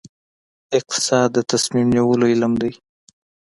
اقتصاد د تصمیم نیولو علم دی